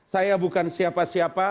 saya bukan siapa siapa